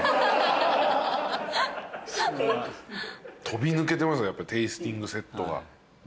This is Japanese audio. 飛び抜けてますテイスティングセットが。